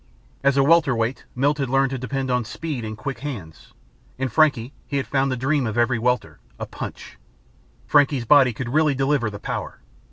As a Welterweight, Milt had learned to depend on speed and quick hands. In Frankie he had found the dream of every Welter a punch. Frankie's body could really deliver the power.